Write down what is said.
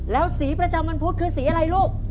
แล้วสีประจำวันพุธคือสีอะไรลูก